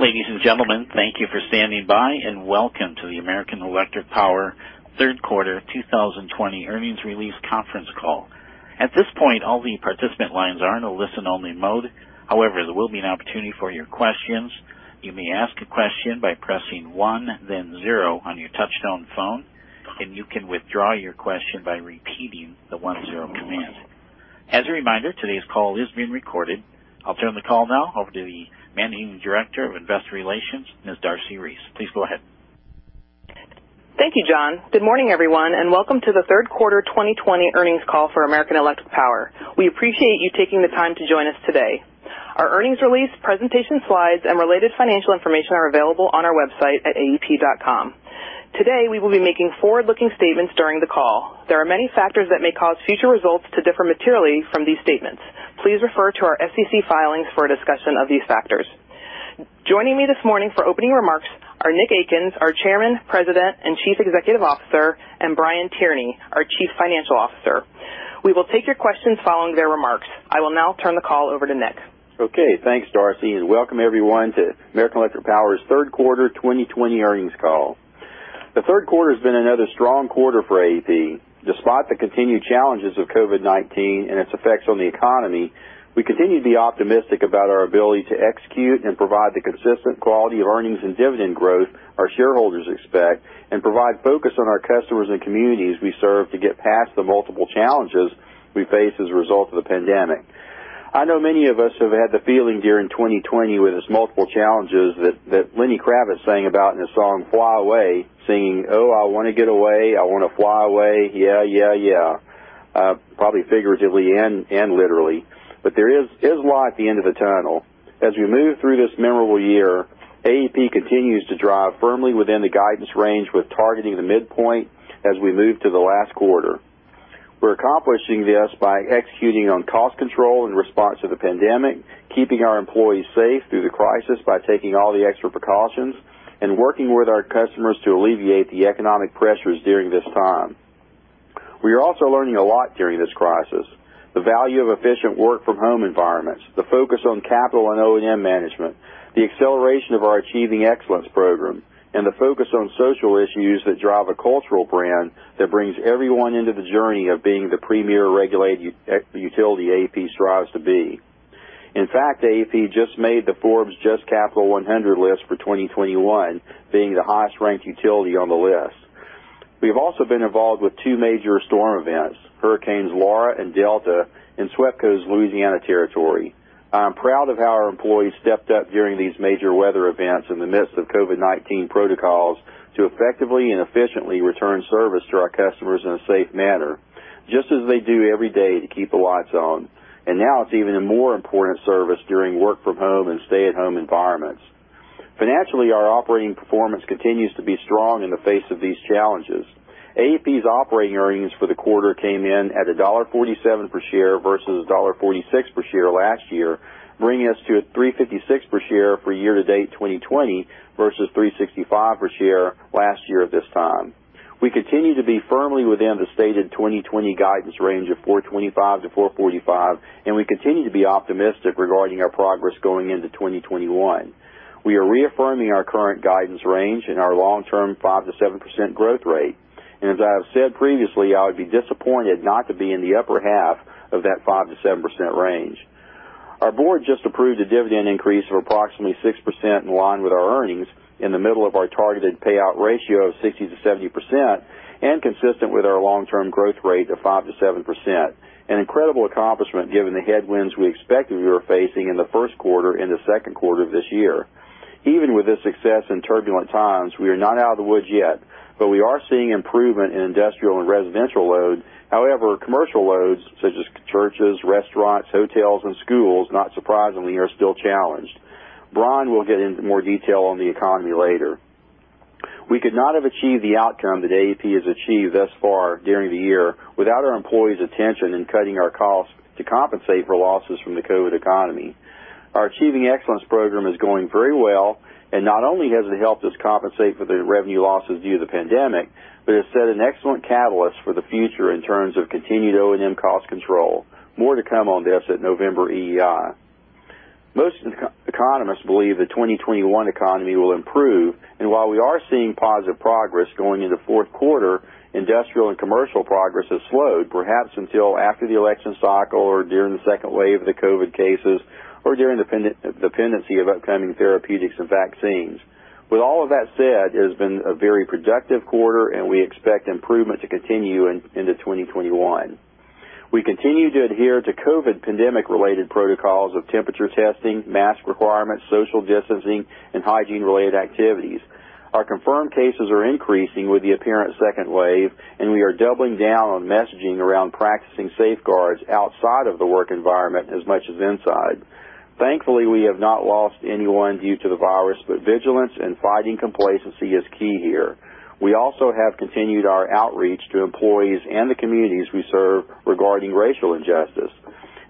Ladies and gentlemen, thank you for standing by, and welcome to the American Electric Power Third Quarter 2020 earnings release conference call. At this point, all the participant lines are in a listen-only mode. However, there will be an opportunity for your questions. You may ask a question by pressing one, then zero on your touch-tone phone, and you can withdraw your question by repeating the one-zero command. As a reminder, today's call is being recorded. I'll turn the call now over to the Managing Director of Investor Relations, Ms. Darcy Reese. Please go ahead. Thank you, John. Good morning, everyone, and welcome to the third quarter 2020 earnings call for American Electric Power. We appreciate you taking the time to join us today. Our earnings release, presentation slides, and related financial information are available on our website at aep.com. Today, we will be making forward-looking statements during the call. There are many factors that may cause future results to differ materially from these statements. Please refer to our SEC filings for a discussion of these factors. Joining me this morning for opening remarks are Nick Akins, our Chairman, President, and Chief Executive Officer, and Brian Tierney, our Chief Financial Officer. We will take your questions following their remarks. I will now turn the call over to Nick. Okay, thanks, Darcy, and welcome, everyone, to American Electric Power's third quarter 2020 earnings call. The third quarter has been another strong quarter for AEP. Despite the continued challenges of COVID-19 and its effects on the economy, we continue to be optimistic about our ability to execute and provide the consistent quality of earnings and dividend growth our shareholders expect and provide focus on our customers and communities we serve to get past the multiple challenges we face as a result of the pandemic. I know many of us have had the feeling during 2020 with its multiple challenges that Lenny Kravitz sang about in his song "Fly Away," singing, "Oh, I want to get away, I want to fly away. Yeah, yeah." Probably figuratively and literally. There is light at the end of the tunnel. As we move through this memorable year, AEP continues to drive firmly within the guidance range with targeting the midpoint as we move to the last quarter. We're accomplishing this by executing on cost control in response to the pandemic, keeping our employees safe through the crisis by taking all the extra precautions, and working with our customers to alleviate the economic pressures during this time. We are also learning a lot during this crisis. The value of efficient work-from-home environments, the focus on capital and O&M management, the acceleration of our Achieving Excellence program, and the focus on social issues that drive a cultural brand that brings everyone into the journey of being the premier regulated utility AEP strives to be. In fact, AEP just made the Forbes JUST Capital 100 list for 2021, being the highest-ranked utility on the list. We've also been involved with two major storm events, Hurricanes Laura and Delta in SWEPCO's Louisiana territory. I'm proud of how our employees stepped up during these major weather events in the midst of COVID-19 protocols to effectively and efficiently return service to our customers in a safe manner, just as they do every day to keep the lights on. Now it's even a more important service during work-from-home and stay-at-home environments. Financially, our operating performance continues to be strong in the face of these challenges. AEP's operating earnings for the quarter came in at $1.47 per share versus $1.46 per share last year, bringing us to a $3.56 per share for year-to-date 2020 versus $3.65 per share last year at this time. We continue to be firmly within the stated 2020 guidance range of $4.25-$4.45, we continue to be optimistic regarding our progress going into 2021. We are reaffirming our current guidance range and our long-term 5%-7% growth rate. As I have said previously, I would be disappointed not to be in the upper half of that 5%-7% range. Our board just approved a dividend increase of approximately 6% in line with our earnings in the middle of our targeted payout ratio of 60%-70% and consistent with our long-term growth rate of 5%-7%. An incredible accomplishment given the headwinds we expected we were facing in the first quarter and the second quarter of this year. Even with this success in turbulent times, we are not out of the woods yet, we are seeing improvement in industrial and residential loads. Commercial loads such as churches, restaurants, hotels, and schools, not surprisingly, are still challenged. Brian will get into more detail on the economy later. We could not have achieved the outcome that AEP has achieved thus far during the year without our employees' attention in cutting our costs to compensate for losses from the COVID economy. Our Achieving Excellence program is going very well, and not only has it helped us compensate for the revenue losses due to the pandemic, but it set an excellent catalyst for the future in terms of continued O&M cost control. More to come on this at November EEI. Most economists believe the 2021 economy will improve. While we are seeing positive progress going into fourth quarter, industrial and commercial progress has slowed, perhaps until after the election cycle or during the second wave of the COVID-19 cases or during dependency of upcoming therapeutics and vaccines. With all of that said, it has been a very productive quarter. We expect improvement to continue into 2021. We continue to adhere to COVID-19 pandemic-related protocols of temperature testing, mask requirements, social distancing, and hygiene-related activities. Our confirmed cases are increasing with the apparent second wave. We are doubling down on messaging around practicing safeguards outside of the work environment as much as inside. Thankfully, we have not lost anyone due to the virus. Vigilance and fighting complacency is key here. We also have continued our outreach to employees and the communities we serve regarding racial injustice.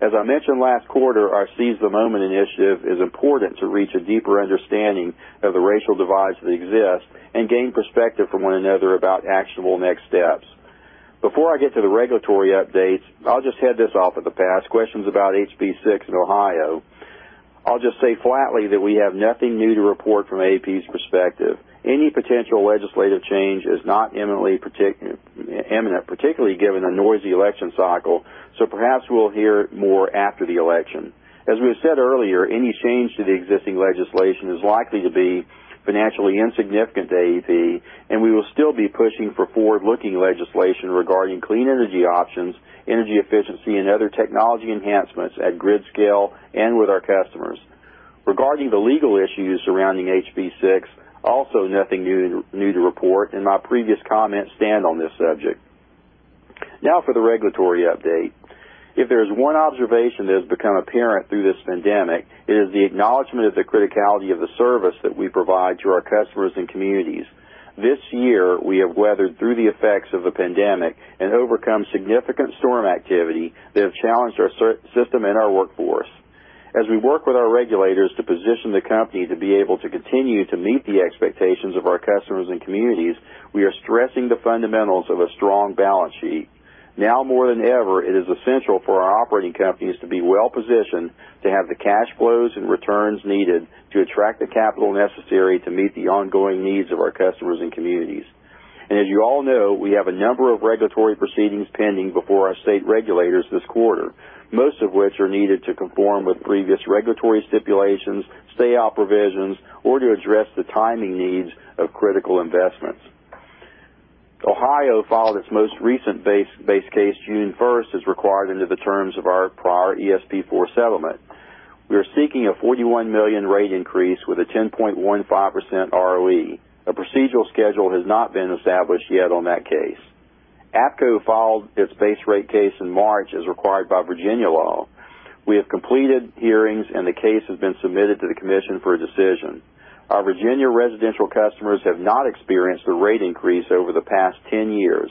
As I mentioned last quarter, our Seize the Moment initiative is important to reach a deeper understanding of the racial divides that exist and gain perspective from one another about actionable next steps. Before I get to the regulatory updates, I'll just head this off at the pass. Questions about HB6 in Ohio. I'll just say flatly that we have nothing new to report from AEP's perspective. Any potential legislative change is not imminent, particularly given the noisy election cycle, so perhaps we'll hear more after the election. As we said earlier, any change to the existing legislation is likely to be financially insignificant to AEP, and we will still be pushing for forward-looking legislation regarding clean energy options, energy efficiency, and other technology enhancements at grid scale and with our customers. Regarding the legal issues surrounding HB6, also nothing new to report, and my previous comments stand on this subject. Now for the regulatory update. If there's one observation that has become apparent through this pandemic, it is the acknowledgement of the criticality of the service that we provide to our customers and communities. This year, we have weathered through the effects of the pandemic and overcome significant storm activity that have challenged our system and our workforce. As we work with our regulators to position the company to be able to continue to meet the expectations of our customers and communities, we are stressing the fundamentals of a strong balance sheet. Now more than ever, it is essential for our operating companies to be well-positioned to have the cash flows and returns needed to attract the capital necessary to meet the ongoing needs of our customers and communities. As you all know, we have a number of regulatory proceedings pending before our state regulators this quarter, most of which are needed to conform with previous regulatory stipulations, stay-out provisions, or to address the timing needs of critical investments. Ohio filed its most recent base case June 1st, as required under the terms of our prior ESP4 settlement. We are seeking a $41 million rate increase with a 10.15% ROE. A procedural schedule has not been established yet on that case. APCo filed its base rate case in March, as required by Virginia law. We have completed hearings, and the case has been submitted to the commission for a decision. Our Virginia residential customers have not experienced a rate increase over the past 10 years.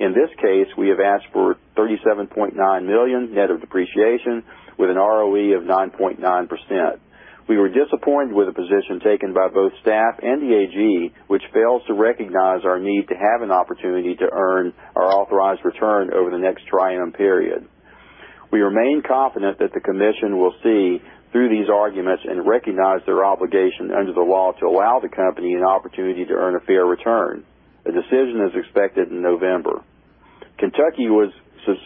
In this case, we have asked for $37.9 million net of depreciation with an ROE of 9.9%. We were disappointed with the position taken by both staff and the AG, which fails to recognize our need to have an opportunity to earn our authorized return over the next triennial period. We remain confident that the commission will see through these arguments and recognize their obligation under the law to allow the company an opportunity to earn a fair return. A decision is expected in November. Kentucky was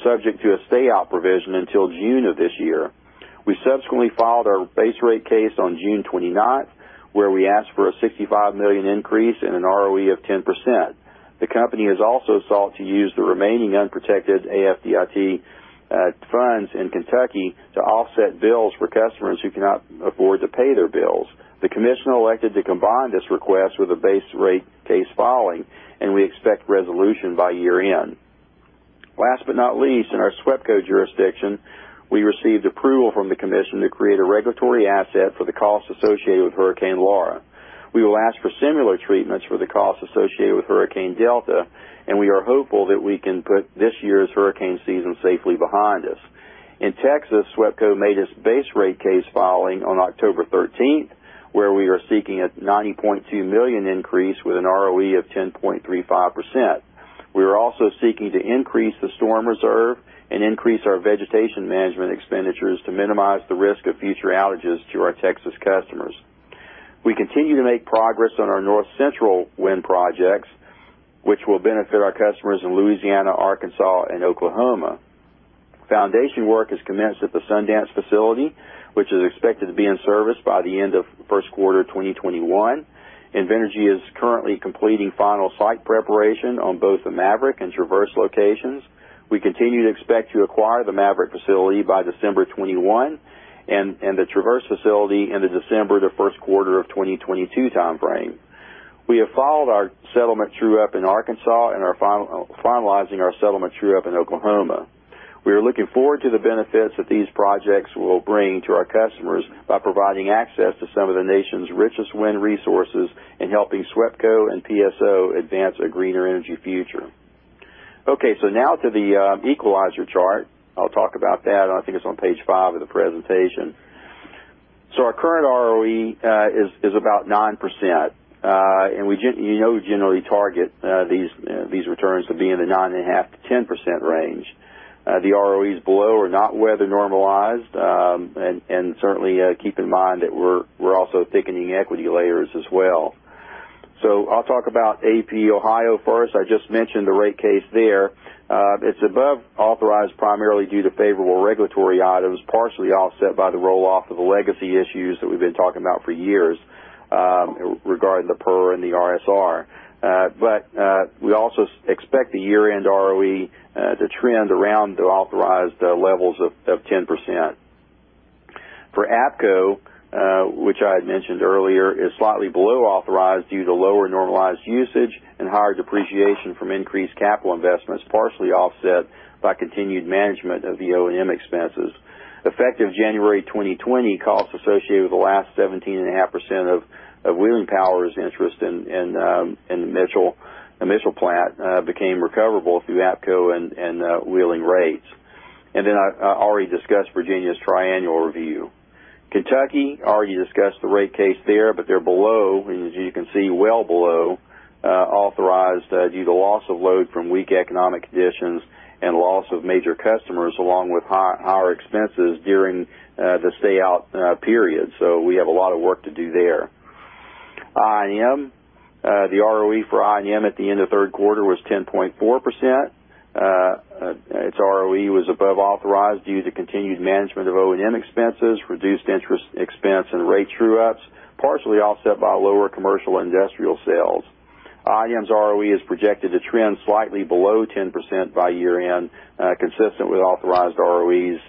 subject to a stay-out provision until June of this year. We subsequently filed our base rate case on June 29th, 2020, where we asked for a $65 million increase and an ROE of 10%. The company has also sought to use the remaining unprotected ADIT funds in Kentucky to offset bills for customers who cannot afford to pay their bills. The commission elected to combine this request with a base rate case filing, and we expect resolution by year-end. Last but not least, in our SWEPCO jurisdiction, we received approval from the commission to create a regulatory asset for the costs associated with Hurricane Laura. We will ask for similar treatments for the costs associated with Hurricane Delta, and we are hopeful that we can put this year's hurricane season safely behind us. In Texas, SWEPCO made its base rate case filing on October 13th, 2020, where we are seeking a $90.2 million increase with an ROE of 10.35%. We are also seeking to increase the storm reserve and increase our vegetation management expenditures to minimize the risk of future outages to our Texas customers. We continue to make progress on our North Central Wind projects, which will benefit our customers in Louisiana, Arkansas, and Oklahoma. Foundation work has commenced at the Sundance facility, which is expected to be in service by the end of first quarter 2021. Invenergy is currently completing final site preparation on both the Maverick and Traverse locations. We continue to expect to acquire the Maverick facility by December 2021 and the Traverse facility end of December, the first quarter of 2022 timeframe. We have followed our settlement true-up in Arkansas and are finalizing our settlement true-up in Oklahoma. We are looking forward to the benefits that these projects will bring to our customers by providing access to some of the nation's richest wind resources and helping SWEPCO and PSO advance a greener energy future. Now to the equalizer chart. I'll talk about that. I think it's on page five of the presentation. Our current ROE is about 9%, and we generally target these returns to be in the 9.5%-10% range. The ROEs below are not weather normalized. Certainly keep in mind that we're also thickening equity layers as well. I'll talk about AEP Ohio first. I just mentioned the rate case there. It's above authorized primarily due to favorable regulatory items, partially offset by the roll-off of the legacy issues that we've been talking about for years regarding the PUR and the RSR. We also expect the year-end ROE to trend around the authorized levels of 10%. For APCo, which I had mentioned earlier, is slightly below authorized due to lower normalized usage and higher depreciation from increased capital investments, partially offset by continued management of the O&M expenses. Effective January 2020, costs associated with the last 17.5% of Wheeling Power's interest in the Mitchell plant became recoverable through APCo and Wheeling rates. I already discussed Virginia's triennial review. Kentucky, already discussed the rate case there. They're below, and as you can see, well below, authorized due to loss of load from weak economic conditions and loss of major customers, along with higher expenses during the stay-out period. We have a lot of work to do there. I&M. The ROE for I&M at the end of third quarter was 10.4%. Its ROE was above authorized due to continued management of O&M expenses, reduced interest expense, and rate true-ups, partially offset by lower commercial industrial sales. I&M's ROE is projected to trend slightly below 10% by year-end, consistent with authorized ROEs,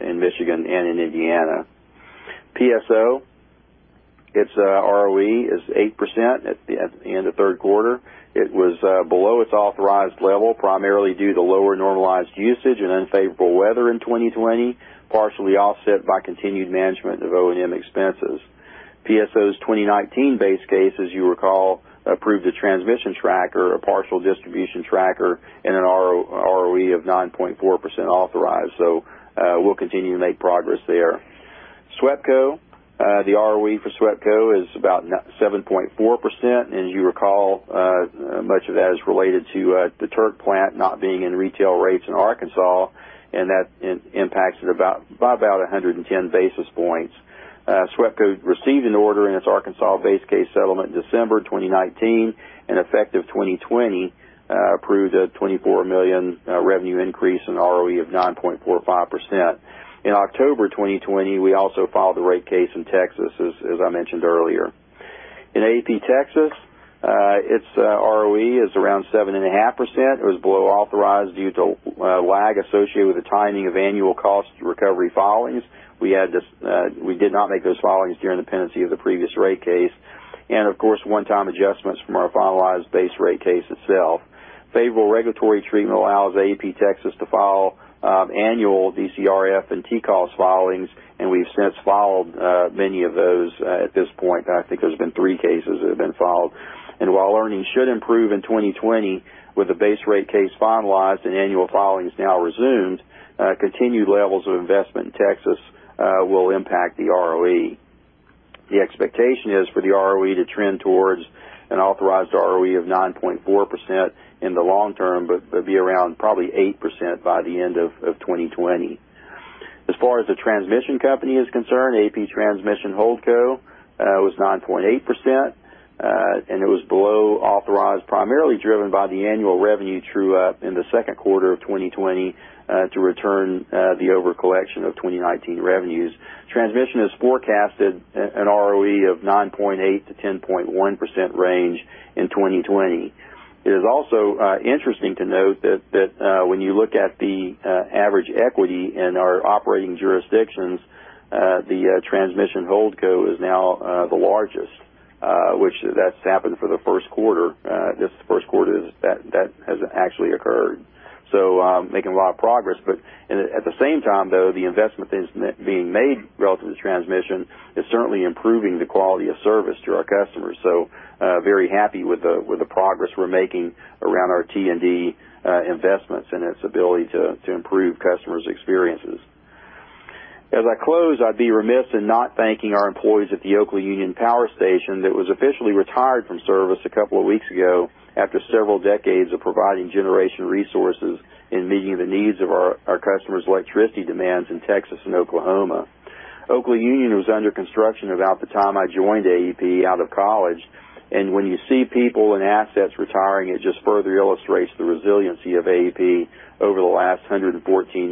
in Michigan and in Indiana. PSO, its ROE is 8% at the end of third quarter. It was below its authorized level, primarily due to lower normalized usage and unfavorable weather in 2020, partially offset by continued management of O&M expenses. PSO's 2019 base case, as you recall, approved a transmission tracker, a partial distribution tracker, and an ROE of 9.4% authorized. We'll continue to make progress there. SWEPCO. The ROE for SWEPCO is about 7.4%. As you recall, much of that is related to the Turk plant not being in retail rates in Arkansas, and that impacts it by about 110 basis points. SWEPCO received an order in its Arkansas base case settlement in December 2019, and effective 2020, approved a $24 million revenue increase and ROE of 9.45%. In October 2020, we also filed the rate case in Texas, as I mentioned earlier. In AEP Texas, its ROE is around 7.5%. It was below authorized due to lag associated with the timing of annual cost recovery filings. We did not make those filings during the pendency of the previous rate case. Of course, one-time adjustments from our finalized base rate case itself. Favorable regulatory treatment allows AEP Texas to file annual DCRF and TCos filings, and we've since filed many of those at this point. I think there's been three cases that have been filed. While earnings should improve in 2020 with the base rate case finalized and annual filings now resumed, continued levels of investment in Texas will impact the ROE. The expectation is for the ROE to trend towards an authorized ROE of 9.4% in the long term, but be around probably 8% by the end of 2020. As far as the transmission company is concerned, AEP Transmission Holdco, was 9.8%, and it was below authorized, primarily driven by the annual revenue true-up in the second quarter of 2020, to return the over-collection of 2019 revenues. Transmission has forecasted an ROE of 9.8%-10.1% range in 2020. It is also interesting to note that when you look at the average equity in our operating jurisdictions, the Transmission Holdco is now the largest, which that's happened for the first quarter. This first quarter that has actually occurred, making a lot of progress. At the same time, though, the investment that is being made relative to transmission is certainly improving the quality of service to our customers. Very happy with the progress we're making around our T&D investments and its ability to improve customers' experiences. As I close, I'd be remiss in not thanking our employees at the Oklaunion Power Station that was officially retired from service a couple of weeks ago after several decades of providing generation resources in meeting the needs of our customers' electricity demands in Texas and Oklahoma. Oklaunion was under construction about the time I joined AEP out of college. When you see people and assets retiring, it just further illustrates the resiliency of AEP over the last 114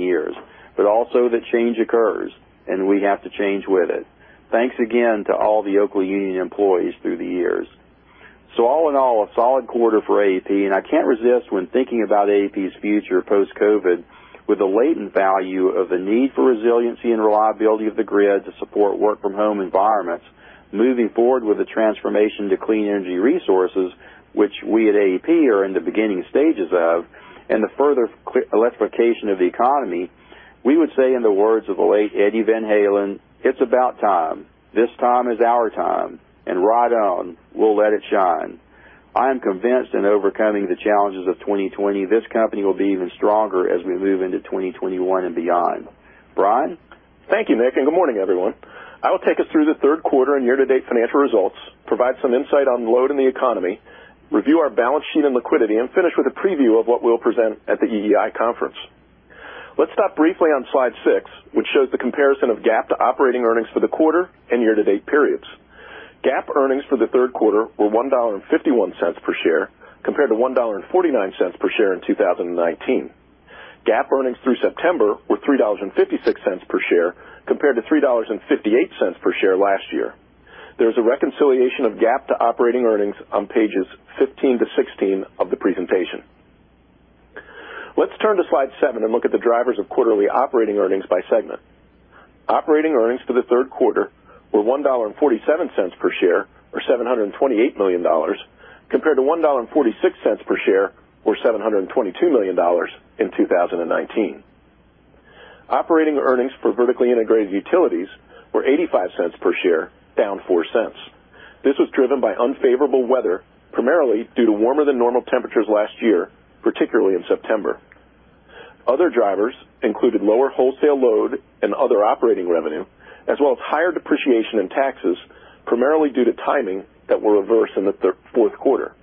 years. Also, that change occurs. We have to change with it. Thanks again to all the Oklaunion employees through the years. All in all, a solid quarter for AEP. I can't resist when thinking about AEP's future post-COVID with the latent value of the need for resiliency and reliability of the grid to support work-from-home environments, moving forward with the transformation to clean energy resources, which we at AEP are in the beginning stages of. The further electrification of the economy. We would say in the words of the late Eddie Van Halen, "It's about time. This time is our time. Right on, we'll let it shine." I am convinced in overcoming the challenges of 2020, this company will be even stronger as we move into 2021 and beyond. Brian? Thank you, Nick. Good morning, everyone. I will take us through the third quarter and year-to-date financial results, provide some insight on load in the economy, review our balance sheet and liquidity, and finish with a preview of what we will present at the EEI conference. Let's stop briefly on slide six, which shows the comparison of GAAP to operating earnings for the quarter and year-to-date periods. GAAP earnings for the third quarter were $1.51 per share, compared to $1.49 per share in 2019. GAAP earnings through September were $3.56 per share, compared to $3.58 per share last year. There's a reconciliation of GAAP to operating earnings on pages 15 to 16 of the presentation. Let's turn to slide seven and look at the drivers of quarterly operating earnings by segment. Operating earnings for the third quarter were $1.47 per share or $728 million, compared to $1.46 per share or $722 million in 2019. Operating earnings for vertically integrated utilities were $0.85 per share, down $0.04. This was driven by unfavorable weather, primarily due to warmer than normal temperatures last year, particularly in September. Other drivers included lower wholesale load and other operating revenue, as well as higher depreciation in taxes, primarily due to timing that were reversed in the fourth quarter.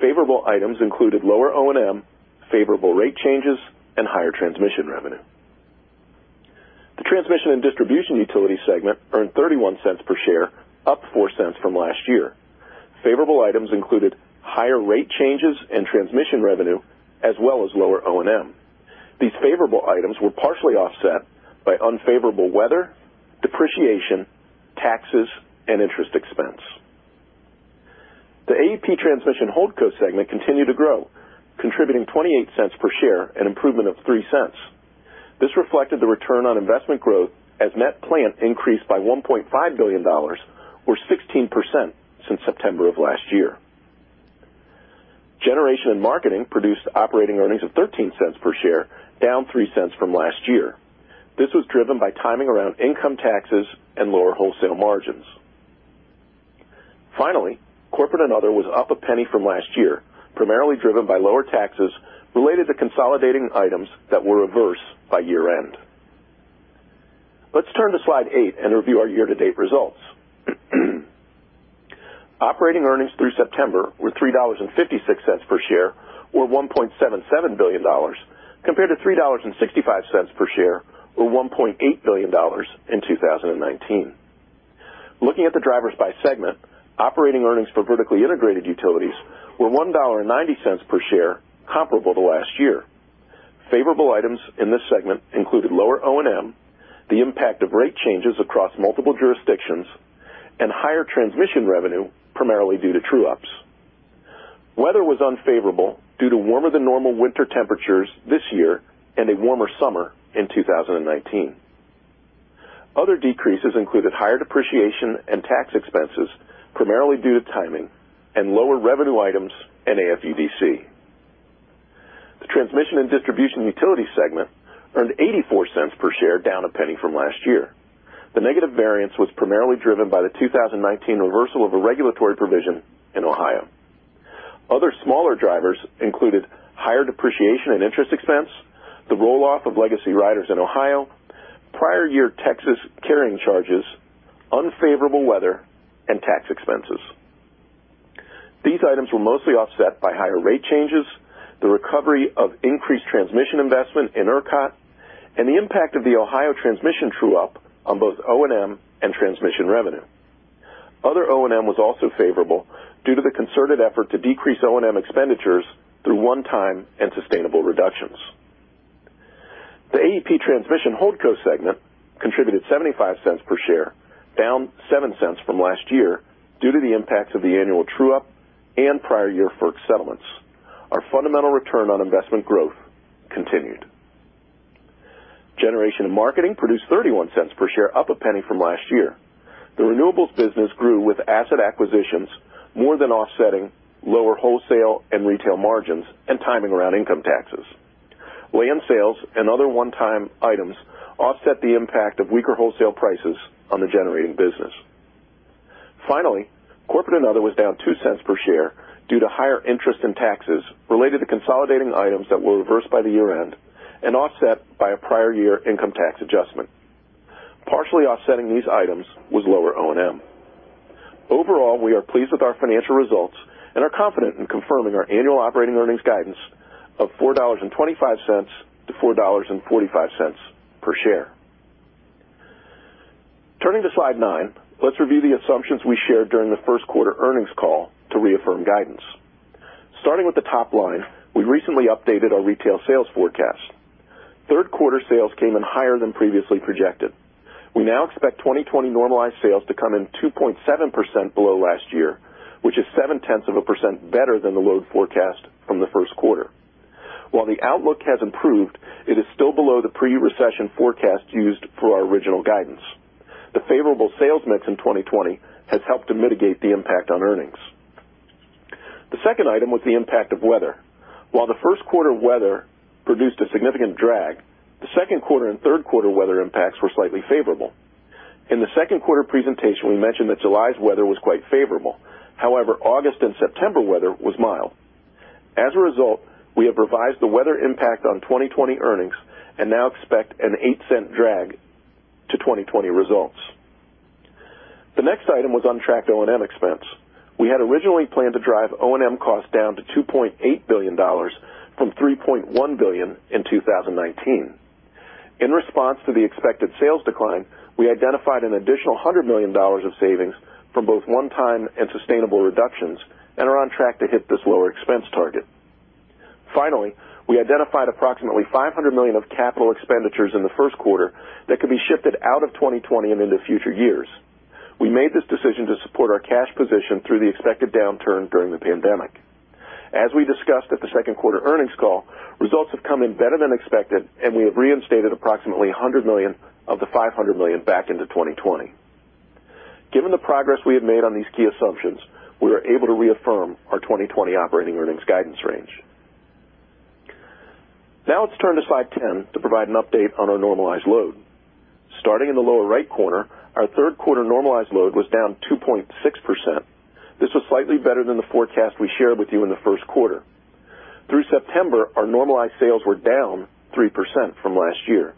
Favorable items included lower O&M, favorable rate changes, and higher transmission revenue. The transmission and distribution utility segment earned $0.31 per share, up $0.04 from last year. Favorable items included higher rate changes in transmission revenue, as well as lower O&M. These favorable items were partially offset by unfavorable weather, depreciation, taxes, and interest expense. The AEP Transmission Holdco segment continued to grow, contributing $0.28 per share, an improvement of $0.03. This reflected the return on investment growth as net plant increased by $1.5 billion, or 16%, since September of last year. Generation and marketing produced operating earnings of $0.13 per share, down $0.03 from last year. This was driven by timing around income taxes and lower wholesale margins. Finally, corporate and other was up $0.01 from last year, primarily driven by lower taxes related to consolidating items that were reversed by year-end. Let's turn to slide eight and review our year-to-date results. Operating earnings through September were $3.56 per share, or $1.77 billion, compared to $3.65 per share, or $1.8 billion in 2019. Looking at the drivers by segment, operating earnings for vertically integrated utilities were $1.90 per share, comparable to last year. Favorable items in this segment included lower O&M, the impact of rate changes across multiple jurisdictions, and higher transmission revenue, primarily due to true-ups. Weather was unfavorable due to warmer than normal winter temperatures this year and a warmer summer in 2019. Other decreases included higher depreciation and tax expenses, primarily due to timing and lower revenue items in AFUDC. The transmission and distribution utility segment earned $0.84 per share, down $0.01 from last year. The negative variance was primarily driven by the 2019 reversal of a regulatory provision in Ohio. Other smaller drivers included higher depreciation and interest expense, the roll-off of legacy riders in Ohio, prior year Texas carrying charges, unfavorable weather, and tax expenses. These items were mostly offset by higher rate changes, the recovery of increased transmission investment in ERCOT, and the impact of the Ohio transmission true-up on both O&M and transmission revenue. Other O&M was also favorable due to the concerted effort to decrease O&M expenditures through one-time and sustainable reductions. The AEP Transmission Holdco segment contributed $0.75 per share, down $0.07 from last year, due to the impacts of the annual true-up and prior year FERC settlements. Our fundamental return on investment growth continued. Generation and marketing produced $0.31 per share, up $0.01 from last year. The renewables business grew with asset acquisitions more than offsetting lower wholesale and retail margins and timing around income taxes. Land sales and other one-time items offset the impact of weaker wholesale prices on the generating business. Finally, corporate and other was down $0.02 per share due to higher interest in taxes related to consolidating items that were reversed by the year-end and offset by a prior year income tax adjustment. Partially offsetting these items was lower O&M. Overall, we are pleased with our financial results and are confident in confirming our annual operating earnings guidance of $4.25-$4.45 per share. Turning to slide nine, let's review the assumptions we shared during the first quarter earnings call to reaffirm guidance. Starting with the top line, we recently updated our retail sales forecast. Third quarter sales came in higher than previously projected. We now expect 2020 normalized sales to come in 2.7% below last year, which is seven-tenths of a percent better than the load forecast from the first quarter. While the outlook has improved, it is still below the pre-recession forecast used for our original guidance. The favorable sales mix in 2020 has helped to mitigate the impact on earnings. The second item was the impact of weather. While the first quarter weather produced a significant drag, the second quarter and third quarter weather impacts were slightly favorable. In the second quarter presentation, we mentioned that July's weather was quite favorable. However, August and September weather was mild. As a result, we have revised the weather impact on 2020 earnings and now expect a $0.08 drag to 2020 results. The next item was on-track O&M expense. We had originally planned to drive O&M costs down to $2.8 billion from $3.1 billion in 2019. In response to the expected sales decline, we identified an additional $100 million of savings from both one-time and sustainable reductions and are on track to hit this lower expense target. Finally, we identified approximately $500 million of capital expenditures in the first quarter that could be shifted out of 2020 and into future years. We made this decision to support our cash position through the expected downturn during the pandemic. As we discussed at the second quarter earnings call, results have come in better than expected, and we have reinstated approximately $100 million of the $500 million back into 2020. Given the progress we have made on these key assumptions, we are able to reaffirm our 2020 operating earnings guidance range. Now let's turn to slide 10 to provide an update on our normalized load. Starting in the lower right corner, our third quarter normalized load was down 2.6%. This was slightly better than the forecast we shared with you in the first quarter. Through September, our normalized sales were down 3% from last year.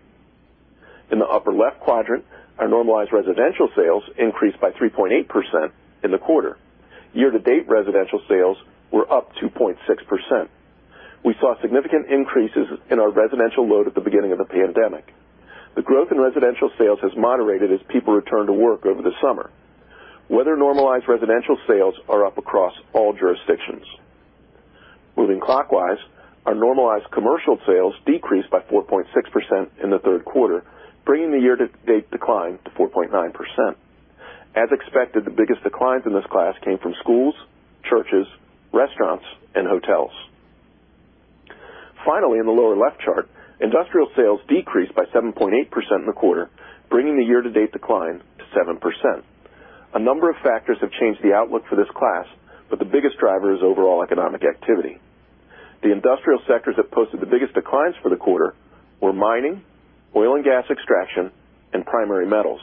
In the upper left quadrant, our normalized residential sales increased by 3.8% in the quarter. Year-to-date residential sales were up 2.6%. We saw significant increases in our residential load at the beginning of the pandemic. The growth in residential sales has moderated as people return to work over the summer. Weather-normalized residential sales are up across all jurisdictions. Moving clockwise, our normalized commercial sales decreased by 4.6% in the third quarter, bringing the year-to-date decline to 4.9%. As expected, the biggest declines in this class came from schools, churches, restaurants, and hotels. Finally, in the lower left chart, industrial sales decreased by 7.8% in the quarter, bringing the year-to-date decline to 7%. A number of factors have changed the outlook for this class, but the biggest driver is overall economic activity. The industrial sectors that posted the biggest declines for the quarter were mining, oil and gas extraction, and primary metals.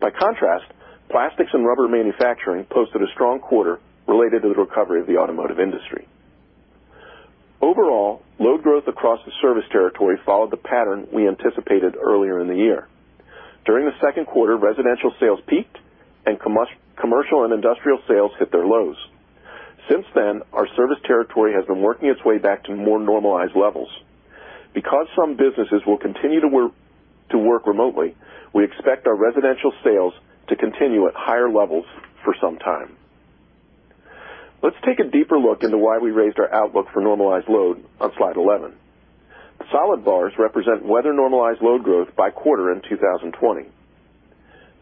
By contrast, plastics and rubber manufacturing posted a strong quarter related to the recovery of the automotive industry. Overall, load growth across the service territory followed the pattern we anticipated earlier in the year. During the second quarter, residential sales peaked and commercial and industrial sales hit their lows. Since then, our service territory has been working its way back to more normalized levels. Because some businesses will continue to work remotely, we expect our residential sales to continue at higher levels for some time. Let's take a deeper look into why we raised our outlook for normalized load on slide 11. The solid bars represent weather-normalized load growth by quarter in 2020.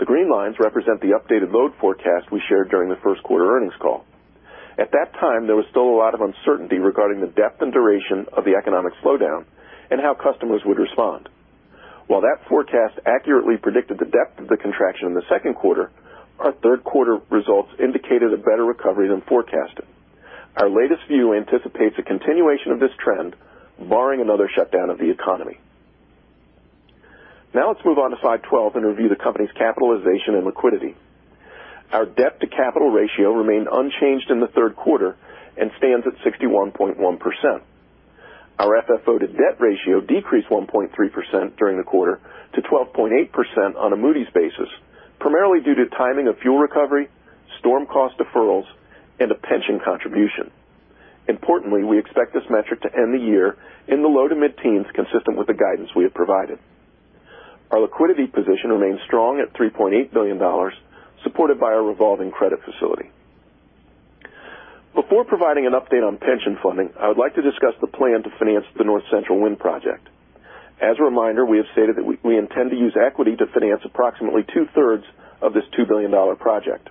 The green lines represent the updated load forecast we shared during the first quarter earnings call. At that time, there was still a lot of uncertainty regarding the depth and duration of the economic slowdown and how customers would respond. While that forecast accurately predicted the depth of the contraction in the second quarter, our third quarter results indicated a better recovery than forecasted. Our latest view anticipates a continuation of this trend, barring another shutdown of the economy. Now let's move on to slide 12 and review the company's capitalization and liquidity. Our debt-to-capital ratio remained unchanged in the third quarter and stands at 61.1%. Our FFO to debt ratio decreased 1.3% during the quarter to 12.8% on a Moody's basis, primarily due to timing of fuel recovery, storm cost deferrals, and a pension contribution. Importantly, we expect this metric to end the year in the low to mid-teens, consistent with the guidance we have provided. Our liquidity position remains strong at $3.8 billion, supported by our revolving credit facility. Before providing an update on pension funding, I would like to discuss the plan to finance the North Central Wind Project. As a reminder, we have stated that we intend to use equity to finance approximately two-thirds of this $2 billion project.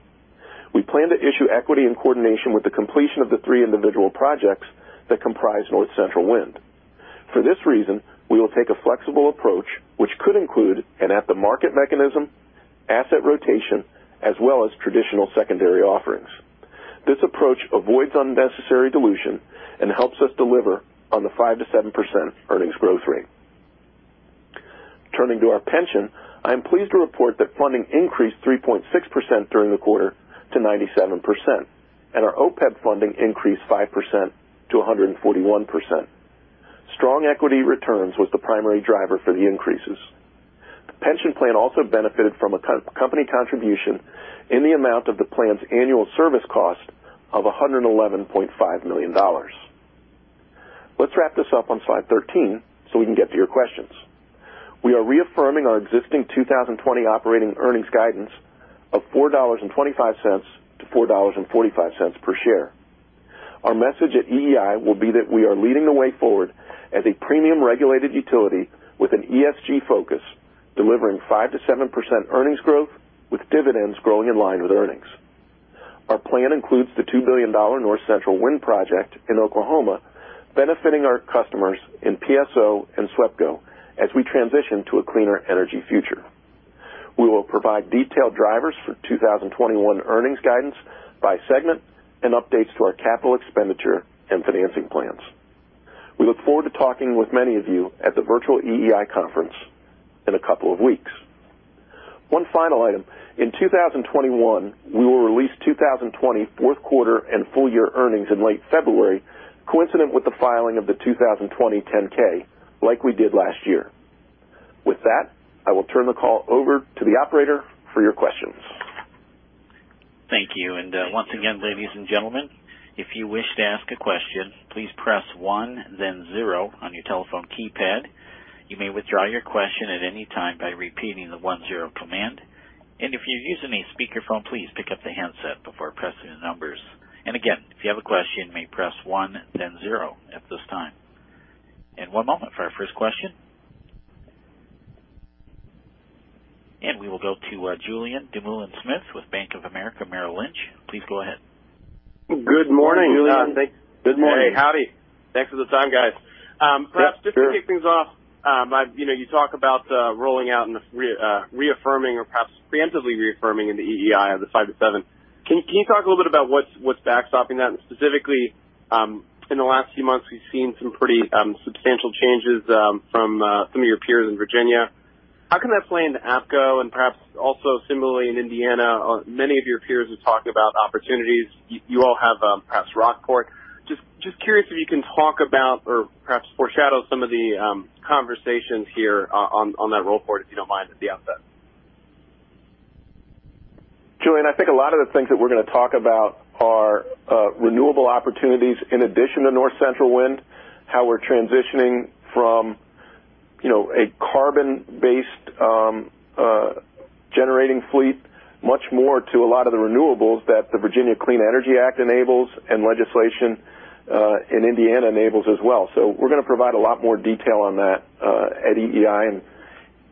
We plan to issue equity in coordination with the completion of the three individual projects that comprise North Central Wind. For this reason, we will take a flexible approach, which could include an at-the-market mechanism, asset rotation, as well as traditional secondary offerings. This approach avoids unnecessary dilution and helps us deliver on the 5%-7% earnings growth rate. Turning to our pension, I am pleased to report that funding increased 3.6% during the quarter to 97%, and our OPEB funding increased 5%-141%. Strong equity returns was the primary driver for the increases. The pension plan also benefited from a company contribution in the amount of the plan's annual service cost of $111.5 million. Let's wrap this up on slide 13 so we can get to your questions. We are reaffirming our existing 2020 operating earnings guidance of $4.25-$4.45 per share. Our message at EEI will be that we are leading the way forward as a premium regulated utility with an ESG focus, delivering 5%-7% earnings growth, with dividends growing in line with earnings. Our plan includes the $2 billion North Central Wind Project in Oklahoma, benefiting our customers in PSO and SWEPCO as we transition to a cleaner energy future. We will provide detailed drivers for 2021 earnings guidance by segment and updates to our capital expenditure and financing plans. We look forward to talking with many of you at the virtual EEI conference in a couple of weeks. One final item. In 2021, we will release 2020 fourth quarter and full year earnings in late February, coincident with the filing of the 2020 10-K, like we did last year. With that, I will turn the call over to the operator for your questions. Thank you. Once again, ladies and gentlemen, if you wish to ask a question, please press one then zero on your telephone keypad. You may withdraw your question at any time by repeating the one zero command. And if you use any speakerphone, please pick up the handset before pressing the numbers. And again if you have a question may press one then zero at this time. One moment for our first question. We will go to Julien Dumoulin-Smith with Bank of America Merrill Lynch. Please go ahead. Good morning, Julien. Good morning. Hey. Howdy. Thanks for the time, guys. Yep, sure. Perhaps just to kick things off, you talk about rolling out and reaffirming or perhaps preemptively reaffirming in the EEI of the 5%-7%. Can you talk a little bit about what's backstopping that? Specifically, in the last few months, we've seen some pretty substantial changes from some of your peers in Virginia. How can that play into APCo and perhaps also similarly in Indiana? Many of your peers are talking about opportunities. You all have perhaps Rockport. Just curious if you can talk about or perhaps foreshadow some of the conversations here on that roll forward, if you don't mind, at the outset. Julien, I think a lot of the things that we're going to talk about are renewable opportunities in addition to North Central Wind, how we're transitioning from a carbon-based generating fleet much more to a lot of the renewables that the Virginia Clean Economy Act enables and legislation in Indiana enables as well. We're going to provide a lot more detail on that at EEI and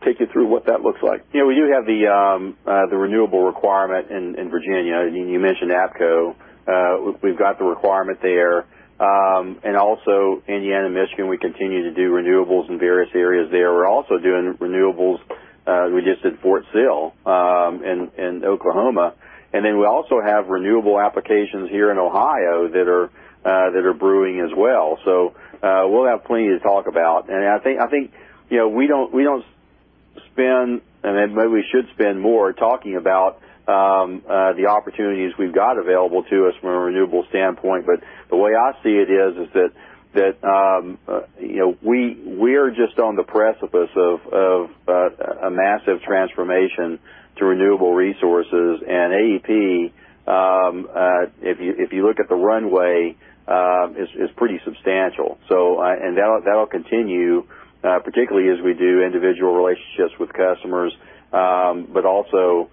take you through what that looks like. You have the renewable requirement in Virginia. You mentioned APCo. We've got the requirement there. Also Indiana Michigan, we continue to do renewables in various areas there. We're also doing renewables just at Fort Sill in Oklahoma. Then we also have renewable applications here in Ohio that are brewing as well. We'll have plenty to talk about. I think we don't spend, and maybe we should spend more talking about the opportunities we've got available to us from a renewables standpoint. The way I see it is that we are just on the precipice of a massive transformation to renewable resources, and AEP, if you look at the runway, is pretty substantial. That'll continue, particularly as we do individual relationships with customers, but also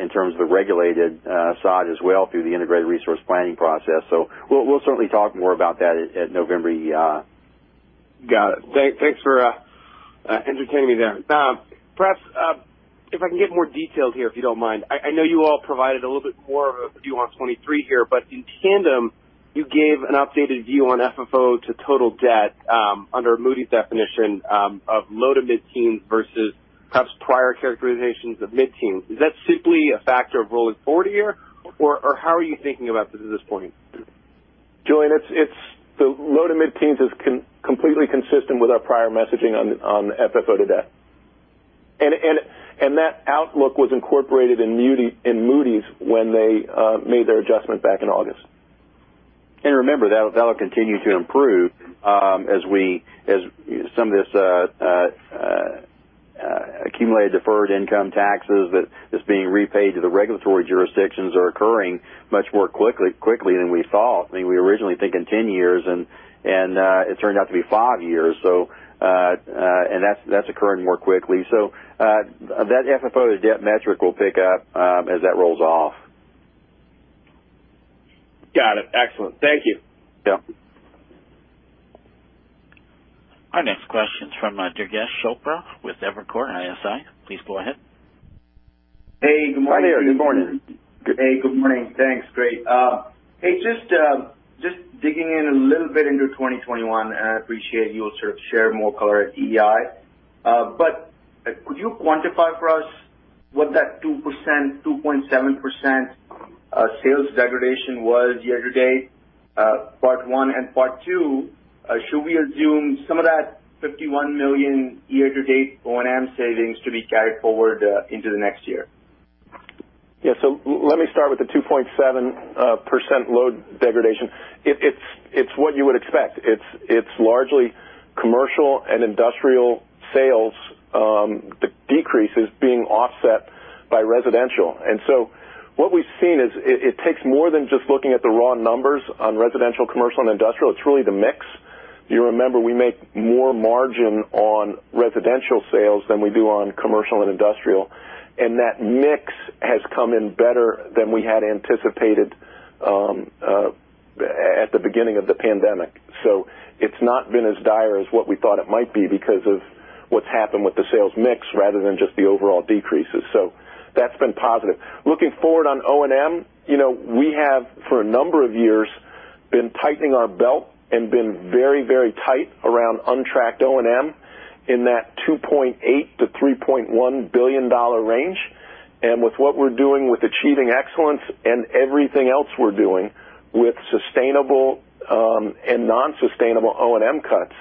in terms of the regulated side as well through the integrated resource planning process. We'll certainly talk more about that at November EEI. Got it. Thanks for entertaining me there. Perhaps if I can get more detail here, if you don't mind. I know you all provided a little bit more of a view on 2023 here, but in tandem, you gave an updated view on FFO to debt under Moody's definition of low to mid-teens versus perhaps prior characterizations of mid-teens. Is that simply a factor of rolling forward a year, or how are you thinking about this at this point? Julien, the low to mid-teens is completely consistent with our prior messaging on FFO to debt. That outlook was incorporated in Moody's when they made their adjustment back in August. Remember, that'll continue to improve as some of this Accumulated Deferred Income Taxes that is being repaid to the regulatory jurisdictions are occurring much more quickly than we thought. We were originally thinking 10 years, and it turned out to be five years. That's occurring more quickly. That FFO to debt metric will pick up as that rolls off. Got it. Excellent. Thank you. Yeah. Our next question is from Durgesh Chopra with Evercore ISI. Please go ahead. Hey, good morning. Hi there. Good morning. Hey, good morning. Thanks. Great. Just digging in a little bit into 2021. I appreciate you'll sort of share more color at EEI. Could you quantify for us what that 2%-2.7% sales degradation was year-to-date, part one? Part two, should we assume some of that $51 million year-to-date O&M savings to be carried forward into the next year? Let me start with the 2.7% load degradation. It's what you would expect. It's largely commercial and industrial sales decreases being offset by residential. What we've seen is it takes more than just looking at the raw numbers on residential, commercial, and industrial. It's really the mix. You remember, we make more margin on residential sales than we do on commercial and industrial, and that mix has come in better than we had anticipated at the beginning of the pandemic. It's not been as dire as what we thought it might be because of what's happened with the sales mix rather than just the overall decreases. That's been positive. Looking forward on O&M, we have, for a number of years, been tightening our belt and been very tight around untracked O&M in that $2.8 billion-$3.1 billion range. With what we're doing with Achieving Excellence and everything else we're doing with sustainable and non-sustainable O&M cuts,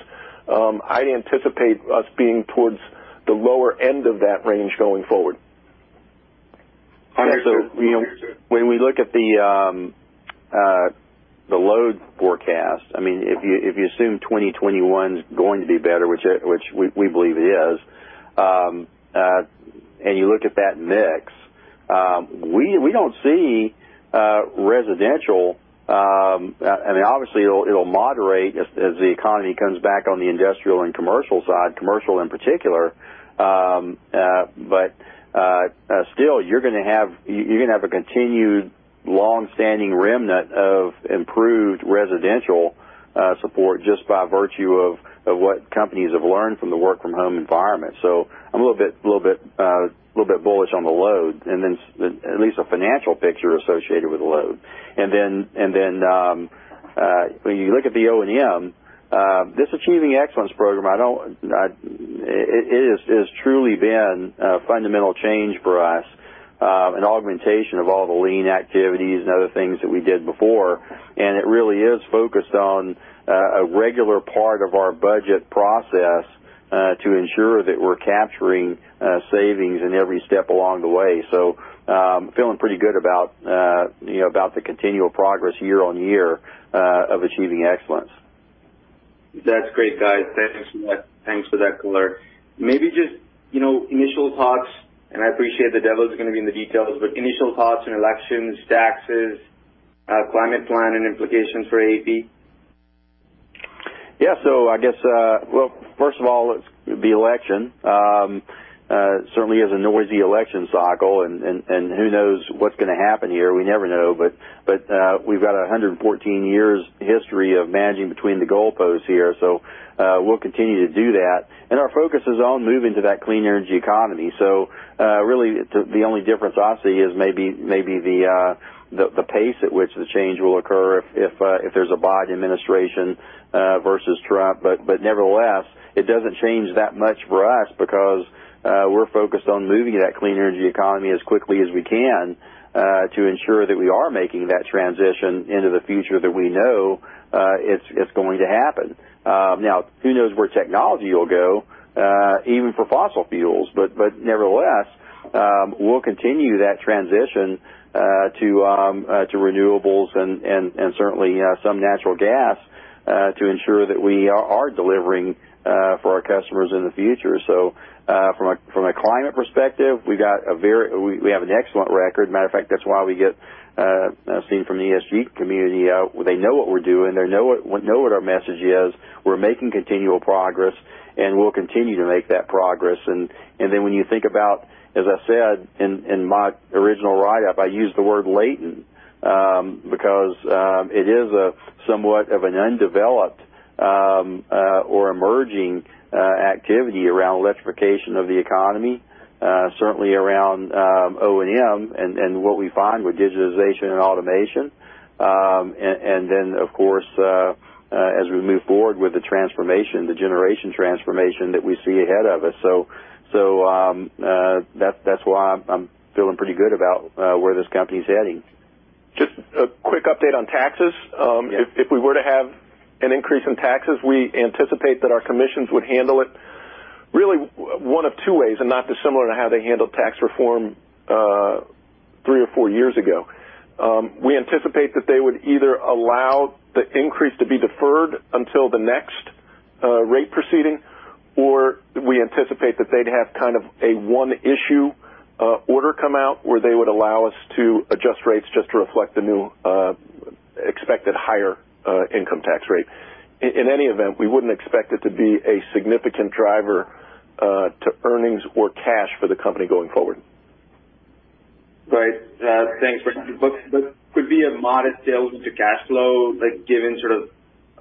I anticipate us being towards the lower end of that range going forward. When we look at the load forecast, if you assume 2021's going to be better, which we believe it is, and you look at that mix, we don't see residential. Obviously, it'll moderate as the economy comes back on the industrial and commercial side, commercial in particular. But still, you're going to have a continued longstanding remnant of improved residential support just by virtue of what companies have learned from the work-from-home environment. So I'm a little bit bullish on the load, and then at least a financial picture associated with the load. When you look at the O&M, this Achieving Excellence program, it has truly been a fundamental change for us, an augmentation of all the lean activities and other things that we did before. It really is focused on a regular part of our budget process to ensure that we're capturing savings in every step along the way. Feeling pretty good about the continual progress year on year of Achieving Excellence. That's great, guys. Thanks for that color. Maybe just initial thoughts, and I appreciate the devil is going to be in the details, but initial thoughts on elections, taxes, climate plan, and implications for AEP? Yeah. I guess, well, first of all, the election. Certainly is a noisy election cycle, and who knows what's going to happen here? We never know. We've got 114 years history of managing between the goalposts here, so we'll continue to do that. Our focus is on moving to that clean energy economy. Really, the only difference I see is maybe the pace at which the change will occur if there's a Biden administration versus Trump. Nevertheless, it doesn't change that much for us because we're focused on moving to that clean energy economy as quickly as we can to ensure that we are making that transition into the future that we know is going to happen. Now, who knows where technology will go, even for fossil fuels. Nevertheless, we'll continue that transition to renewables and certainly some natural gas to ensure that we are delivering for our customers in the future. From a climate perspective, we have an excellent record. Matter of fact, that's why we get seen from the ESG community. They know what we're doing. They know what our message is. We're making continual progress, and we'll continue to make that progress. When you think about, as I said in my original write-up, I used the word latent, because it is somewhat of an undeveloped or emerging activity around electrification of the economy, certainly around O&M and what we find with digitization and automation. Of course, as we move forward with the transformation, the generation transformation that we see ahead of us. That's why I'm feeling pretty good about where this company's heading. Just a quick update on taxes. If we were to have an increase in taxes, we anticipate that our commissions would handle it really one of two ways, and not dissimilar to how they handled tax reform three or four years ago. We anticipate that they would either allow the increase to be deferred until the next rate proceeding, or we anticipate that they'd have kind of a one-issue order come out where they would allow us to adjust rates just to reflect the new expected higher income tax rate. In any event, we wouldn't expect it to be a significant driver to earnings or cash for the company going forward. Right. Thanks, Brian. Could be a modest tailwind to cash flow, given sort of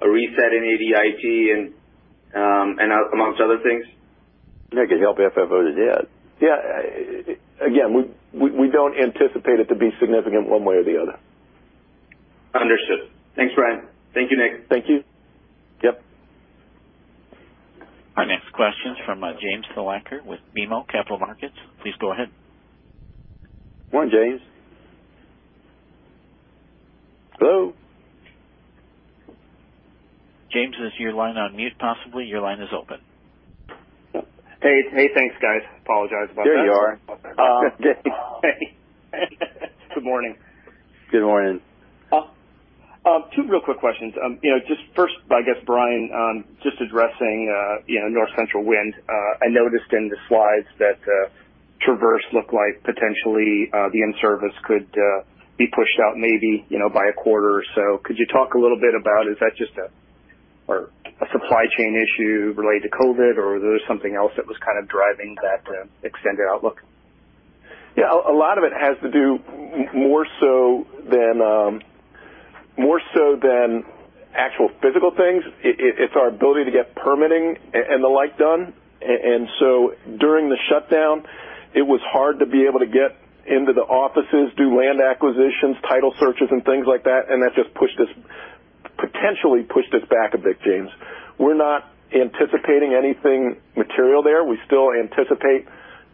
a reset in ADIT and amongst other things? Nick can help FFO to debt. Yeah. Again, we don't anticipate it to be significant one way or the other. Understood. Thanks, Brian. Thank you, Nick. Thank you. Yep. Our next question is from James Thalacker with BMO Capital Markets. Please go ahead. Morning, James. Hello. James, is your line on mute, possibly? Your line is open. Hey. Thanks, guys. Apologize about that. There you are. Hey. Good morning. Good morning. Two real quick questions. Just first, I guess, Brian, just addressing North Central Wind. I noticed in the slides that Traverse looked like potentially the in-service could be pushed out maybe by a quarter or so. Could you talk a little bit about, is that just a supply chain issue related to COVID, or was there something else that was kind of driving that extended outlook? Yeah, a lot of it has to do more so than actual physical things. It's our ability to get permitting and the like done. During the shutdown, it was hard to be able to get into the offices, do land acquisitions, title searches, and things like that, and that just potentially pushed us back a bit, James. We're not anticipating anything material there. We still anticipate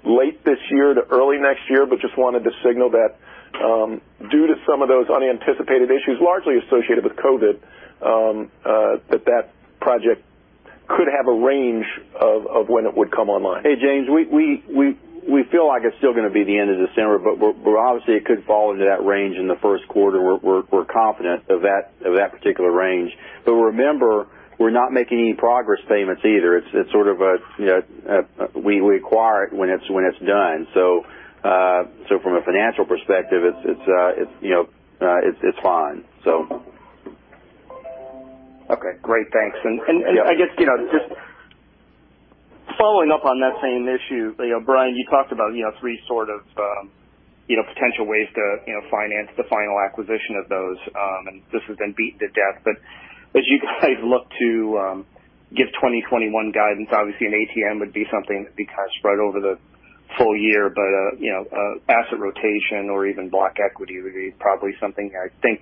late this year to early next year, but just wanted to signal that due to some of those unanticipated issues, largely associated with COVID, that that project could have a range of when it would come online. Hey, James, we feel like it's still going to be the end of December. Obviously it could fall into that range in the first quarter. We're confident of that particular range. Remember, we're not making any progress payments either. We acquire it when it's done. From a financial perspective, it's fine. Okay. Great. Thanks. Yeah. I guess, just following up on that same issue, Brian, you talked about three sort of potential ways to finance the final acquisition of those. This has been beaten to death, as you guys look to give 2021 guidance, obviously an ATM would be something that would be spread over the full year. Asset rotation or even block equity would be probably something, I think,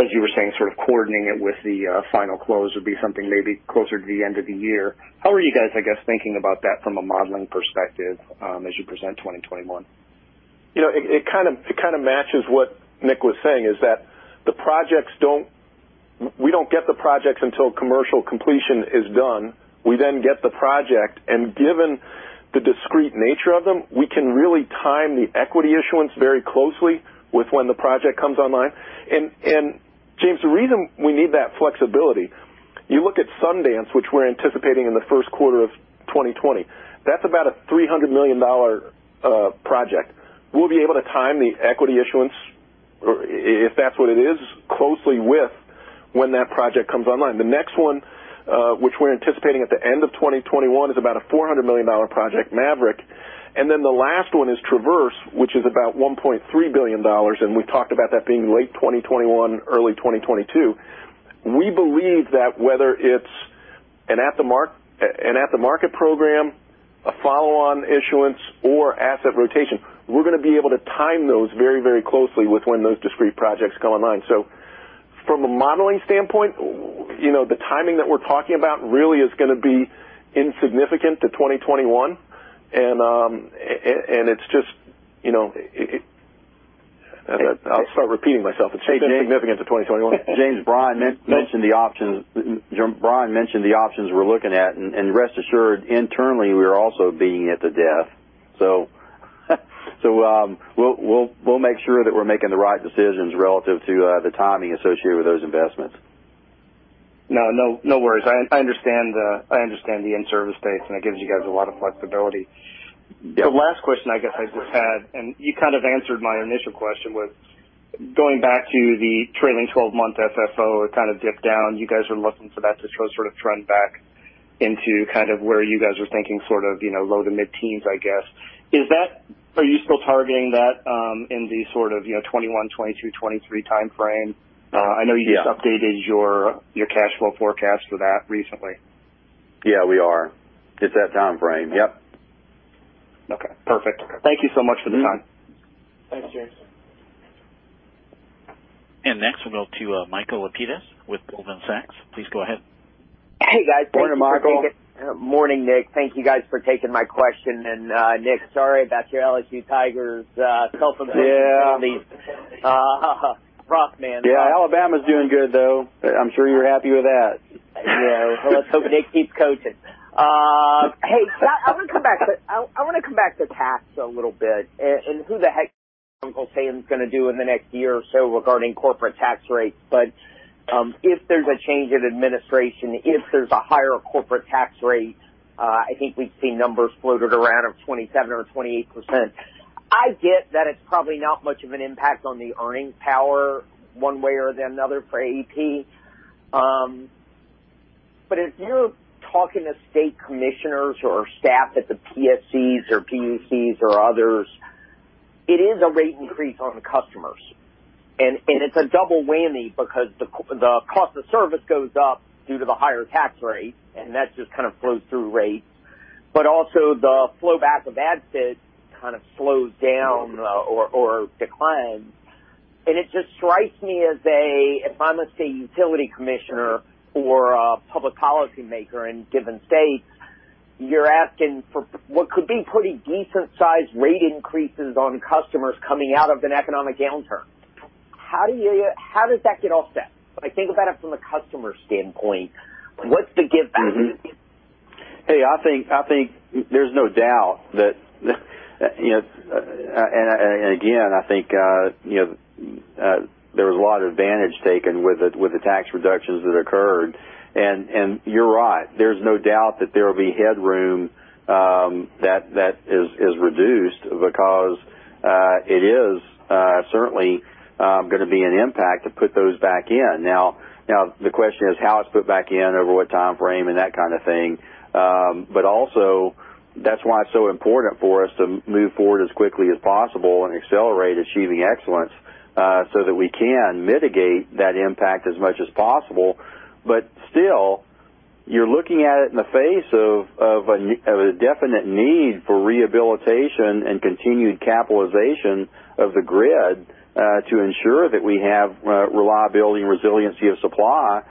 as you were saying, sort of coordinating it with the final close would be something maybe closer to the end of the year. How are you guys, I guess, thinking about that from a modeling perspective as you present 2021? It kind of matches what Nick was saying, is that we don't get the projects until commercial completion is done. Given the discrete nature of them, we can really time the equity issuance very closely with when the project comes online. James, the reason we need that flexibility, you look at Sundance, which we're anticipating in the first quarter of 2020. That's about a $300 million project. We'll be able to time the equity issuance, if that's what it is, closely with when that project comes online. The next one, which we're anticipating at the end of 2021, is about a $400 million project, Maverick. The last one is Traverse, which is about $1.3 billion, and we talked about that being late 2021, early 2022. We believe that whether it's an at-the-market program, a follow-on issuance, or asset rotation, we're going to be able to time those very closely with when those discrete projects go online. From a modeling standpoint, the timing that we're talking about really is going to be insignificant to 2021. And I'll start repeating myself. It's insignificant to 2021. James, Brian mentioned the options we're looking at, and rest assured, internally, we are also beating it to death. We'll make sure that we're making the right decisions relative to the timing associated with those investments. No worries. I understand the in-service dates, and it gives you guys a lot of flexibility. The last question I guess I just had, and you kind of answered my initial question, was going back to the trailing 12-month FFO. It kind of dipped down. You guys are looking for that to sort of trend back into where you guys are thinking, sort of low to mid-teens, I guess. Are you still targeting that in the sort of 2021, 2022, 2023 timeframe? I know you just updated your cash flow forecast for that recently. Yeah, we are. It's that timeframe. Yep. Okay, perfect. Thank you so much for the time. Thanks, James. Next, we'll go to Michael Lapides with Goldman Sachs. Please go ahead. Hey, guys. Morning, Michael. Morning, Nick. Thank you guys for taking my question. Nick, sorry about your LSU Tigers rough man. Yeah. Alabama's doing good, though. I'm sure you're happy with that. Yeah. Let's hope Nick keeps coaching. I want to come back to tax a little bit and who the heck Uncle Sam's going to do in the next year or so regarding corporate tax rates. If there's a change in administration, if there's a higher corporate tax rate, I think we've seen numbers floated around of 27% or 28%. I get that it's probably not much of an impact on the earning power one way or the another for AEP. If you're talking to state commissioners or staff at the PSCs or PUCs or others, it is a rate increase on the customers. It's a double whammy because the cost of service goes up due to the higher tax rate, and that just kind of flows through rates. Also, the flow back of ADIT kind of slows down or declines. It just strikes me as if I'm a state utility commissioner or a public policy maker in given states, you're asking for what could be pretty decent-sized rate increases on customers coming out of an economic downturn. How does that get offset? I think about it from the customer standpoint. What's the giveback? I think there's no doubt. Again, I think there was a lot of advantage taken with the tax reductions that occurred. You're right. There's no doubt that there will be headroom that is reduced because it is certainly going to be an impact to put those back in. Now, the question is how it's put back in over what timeframe and that kind of thing. Also, that's why it's so important for us to move forward as quickly as possible and accelerate Achieving Excellence so that we can mitigate that impact as much as possible. Still, you're looking at it in the face of a definite need for rehabilitation and continued capitalization of the grid to ensure that we have reliability and resiliency of supply.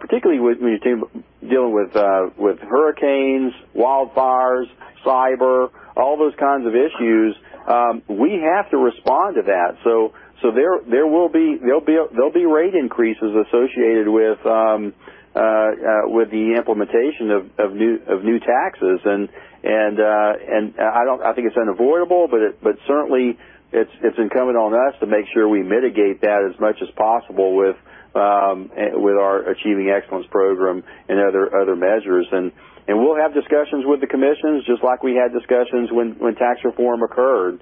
Particularly when you came dealing with hurricanes, wildfires, cyber, all those kinds of issues. We have to respond to that. There'll be rate increases associated with the implementation of new taxes. I think it's unavoidable, but certainly it's incumbent on us to make sure we mitigate that as much as possible with our Achieving Excellence program and other measures. We'll have discussions with the commissioners, just like we had discussions when tax reform occurred.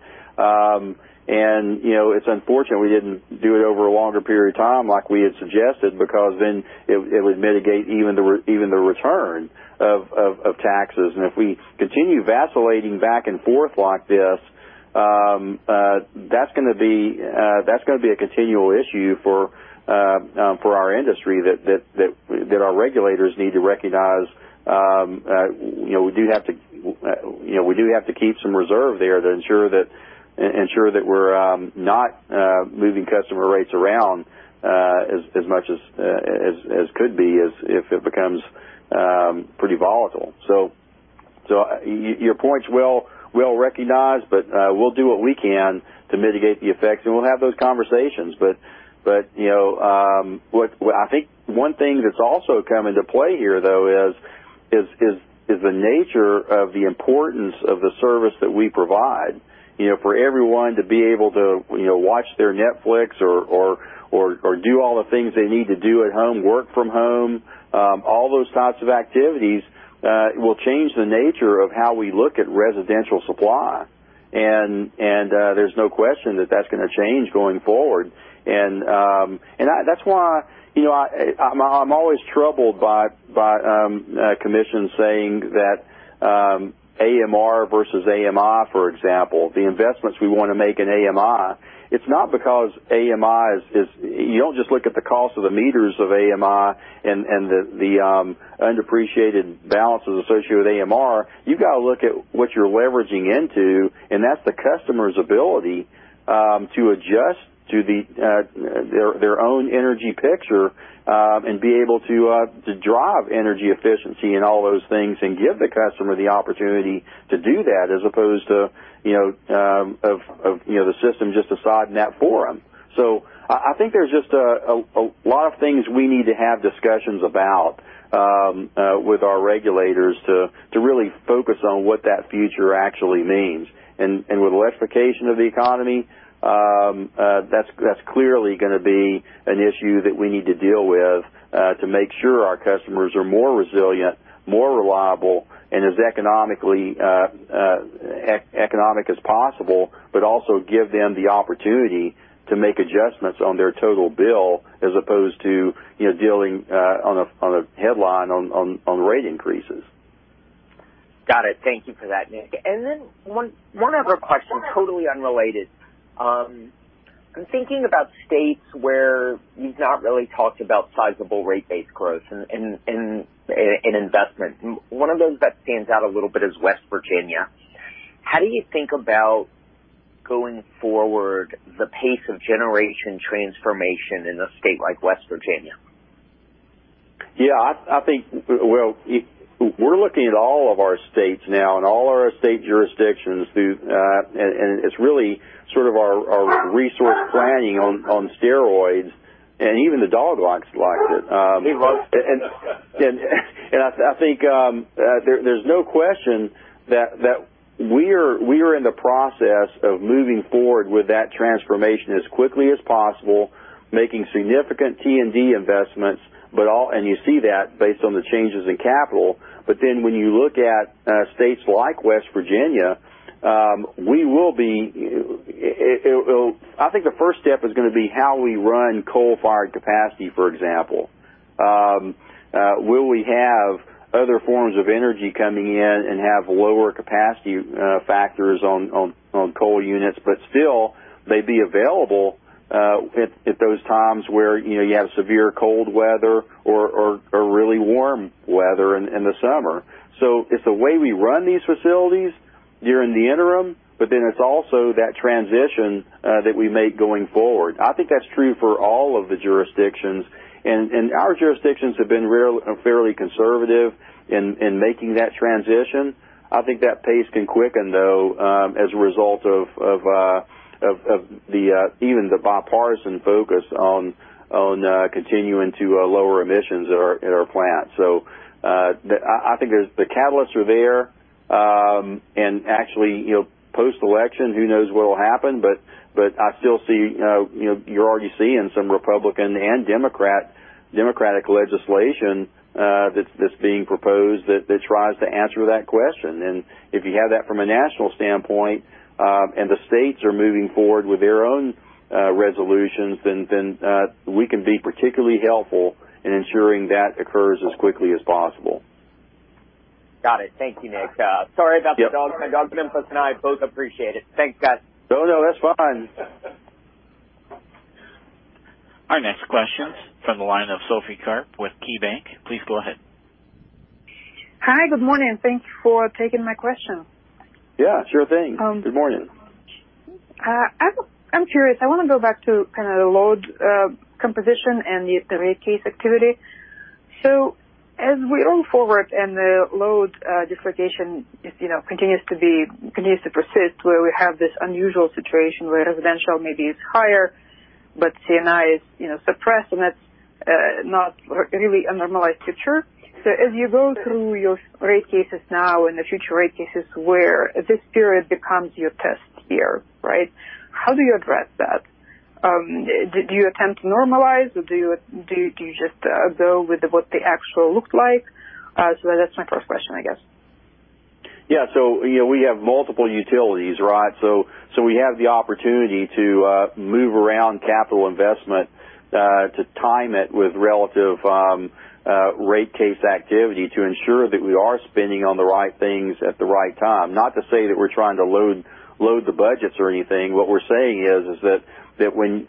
It's unfortunate we didn't do it over a longer period of time like we had suggested, because then it would mitigate even the return of taxes. If we continue vacillating back and forth like this, that's going to be a continual issue for our industry that our regulators need to recognize. We do have to keep some reserve there to ensure that we're not moving customer rates around as much as could be if it becomes pretty volatile. Your point's well recognized, but we'll do what we can to mitigate the effects, and we'll have those conversations. I think one thing that's also come into play here, though, is the nature of the importance of the service that we provide. For everyone to be able to watch their Netflix or do all the things they need to do at home, work from home, all those types of activities will change the nature of how we look at residential supply. There's no question that that's going to change going forward. That's why I'm always troubled by commissions saying that AMR versus AMI, for example, the investments we want to make in AMI, you don't just look at the cost of the meters of AMI and the underappreciated balances associated with AMR. You've got to look at what you're leveraging into, that's the customer's ability to adjust to their own energy picture, be able to drive energy efficiency and all those things, give the customer the opportunity to do that as opposed to the system just deciding that for them. I think there's just a lot of things we need to have discussions about with our regulators to really focus on what that future actually means. With electrification of the economy, that's clearly going to be an issue that we need to deal with to make sure our customers are more resilient, more reliable, and as economic as possible, also give them the opportunity to make adjustments on their total bill as opposed to dealing on a headline on rate increases. Got it. Thank you for that, Nick. One other question, totally unrelated. I'm thinking about states where you've not really talked about sizable rate base growth and investment. One of those that stands out a little bit is West Virginia. How do you think about going forward, the pace of generation transformation in a state like West Virginia? Yeah, we're looking at all of our states now and all our state jurisdictions. It's really sort of our resource planning on steroids. Even the dog likes it. He loves it. I think there's no question that we are in the process of moving forward with that transformation as quickly as possible, making significant T&D investments. You see that based on the changes in capital. When you look at states like West Virginia, I think the first step is going to be how we run coal-fired capacity, for example. Will we have other forms of energy coming in and have lower capacity factors on coal units, but still they be available at those times where you have severe cold weather or really warm weather in the summer? It's the way we run these facilities during the interim, but then it's also that transition that we make going forward. I think that's true for all of the jurisdictions. Our jurisdictions have been fairly conservative in making that transition. I think that pace can quicken, though, as a result of even the bipartisan focus on continuing to lower emissions at our plants. I think the catalysts are there. Actually post-election, who knows what will happen? You're already seeing some Republican and Democratic legislation that's being proposed that tries to answer that question. If you have that from a national standpoint, and the states are moving forward with their own resolutions, then we can be particularly helpful in ensuring that occurs as quickly as possible. Got it. Thank you, Nick. Sorry about the dog. My dog Memphis and I both appreciate it. Thanks, guys. Oh, no, that's fine. Our next question's from the line of Sophie Karp with KeyBanc. Please go ahead. Hi. Good morning. Thank you for taking my question. Yeah, sure thing. Good morning. I'm curious. I want to go back to the load composition and the rate case activity. As we move forward and the load dislocation continues to persist, where we have this unusual situation where residential maybe is higher, but C&I is suppressed, and that's not really a normalized picture. As you go through your rate cases now and the future rate cases where this period becomes your test here, right, how do you address that? Do you attempt to normalize or do you just go with what the actual looked like? That's my first question, I guess. Yeah. We have multiple utilities, right? We have the opportunity to move around capital investment to time it with relative rate case activity to ensure that we are spending on the right things at the right time. Not to say that we're trying to load the budgets or anything. What we're saying is that when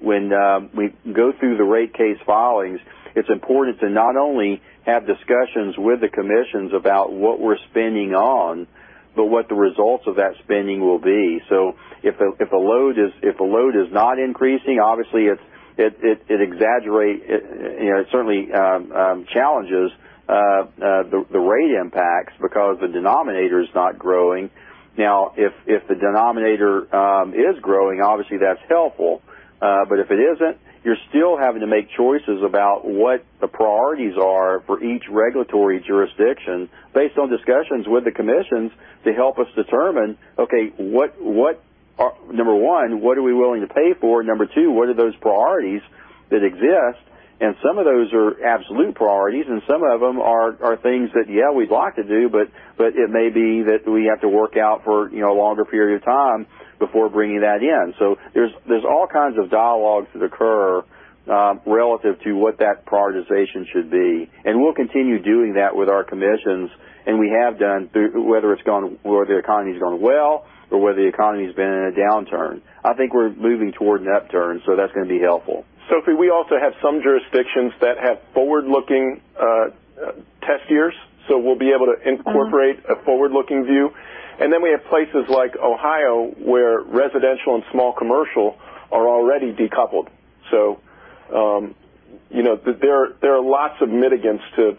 we go through the rate case filings, it's important to not only have discussions with the commissions about what we're spending on, but what the results of that spending will be. If a load is not increasing, obviously it certainly challenges the rate impacts because the denominator is not growing. If the denominator is growing, obviously that's helpful. If it isn't, you're still having to make choices about what the priorities are for each regulatory jurisdiction based on discussions with the commissions to help us determine, okay, number one, what are we willing to pay for? Number two, what are those priorities that exist? Some of those are absolute priorities, and some of them are things that, yeah, we'd like to do, but it may be that we have to work out for a longer period of time before bringing that in. There's all kinds of dialogues that occur relative to what that prioritization should be, and we'll continue doing that with our commissions, and we have done, whether the economy's going well or whether the economy's been in a downturn. I think we're moving toward an upturn, so that's going to be helpful. Sophie, we also have some jurisdictions that have forward-looking test years, so we'll be able to incorporate a forward-looking view. We have places like Ohio, where residential and small commercial are already decoupled. There are lots of mitigants to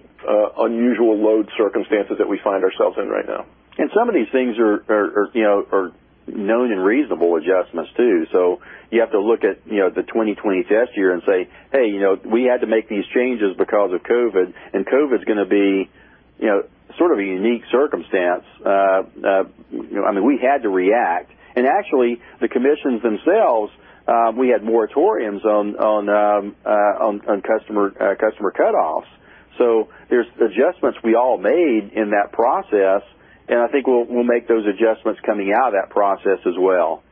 unusual load circumstances that we find ourselves in right now. Some of these things are known and reasonable adjustments, too. You have to look at the 2020 test year and say, "Hey, we had to make these changes because of COVID-19," and COVID-19 is going to be sort of a unique circumstance. We had to react. Actually, the commissions themselves, we had moratoriums on customer cut-offs. There's adjustments we all made in that process, and I think we'll make those adjustments coming out of that process as well.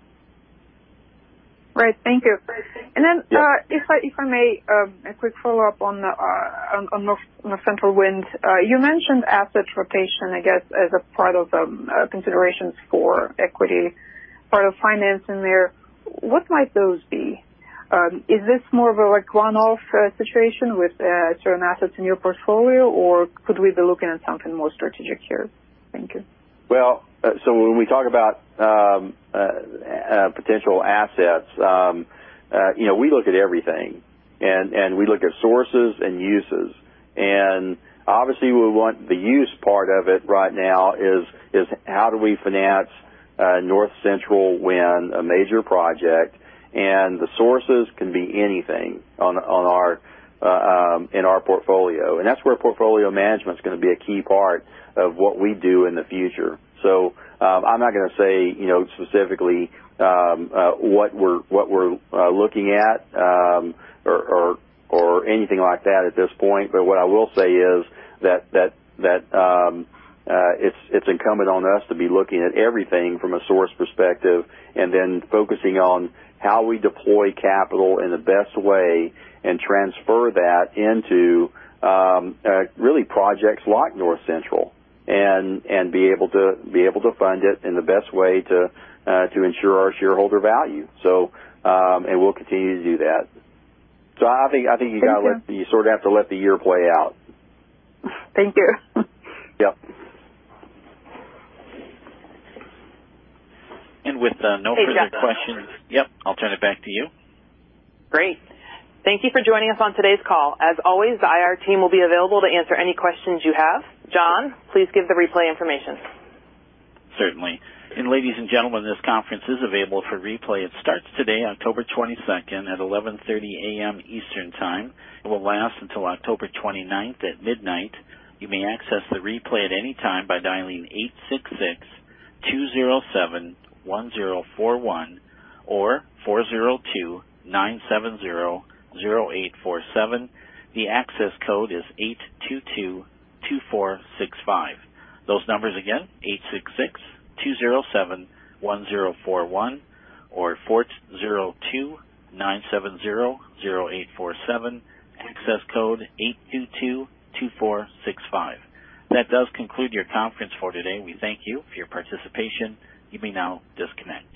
Right. Thank you. Yeah. If I may, a quick follow-up on the North Central Wind. You mentioned asset rotation, I guess, as a part of the considerations for equity, part of financing there. What might those be? Is this more of a one-off situation with certain assets in your portfolio, or could we be looking at something more strategic here? Thank you. Well, when we talk about potential assets, we look at everything. We look at sources and uses. Obviously, we want the use part of it right now is how do we finance North Central Wind, a major project, and the sources can be anything in our portfolio. That's where portfolio management is going to be a key part of what we do in the future. I'm not going to say specifically what we're looking at or anything like that at this point. What I will say is that it's incumbent on us to be looking at everything from a source perspective and then focusing on how we deploy capital in the best way and transfer that into really projects like North Central and be able to fund it in the best way to ensure our shareholder value. We'll continue to do that. I think you sort of have to let the year play out. Thank you. Yep. With no further questions. Hey, John. Yep, I'll turn it back to you. Great. Thank you for joining us on today's call. As always, the IR team will be available to answer any questions you have. John, please give the replay information. Certainly. And ladies and gentlemen, this conference is available for replay. It starts today, October 22nd, 2020 at 11:30 AM Eastern Time. It will last until October 29th, 2020 at midnight. You may access the replay at any time by dialing 866-207-1041 or 402-970-0847. The access code is 8222465. Those numbers again, 866-207-1041 or 402-970-0847. Access code 8222465. That does conclude your conference for today. We thank you for your participation. You may now disconnect.